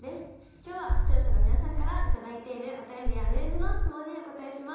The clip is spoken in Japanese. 今日は視聴者の皆さんから頂いているお便りやメールの質問にお答えします。